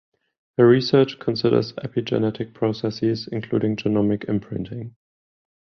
Her research considers epigenetic processes including genomic imprinting.